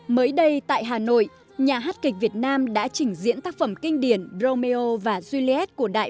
mới đây tại hà nội nhà hát kịch việt nam đã chỉnh diễn tác phẩm kinh điển romeo và juliet của đại